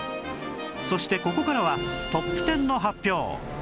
そしてここからはトップ１０の発表